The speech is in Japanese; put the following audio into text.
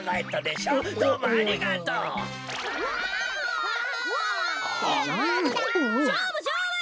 しょうぶしょうぶ！